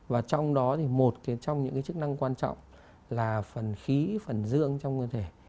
và trong đó thì một trong những cái chức năng quan trọng là phần khí phần dương trong nguyên thể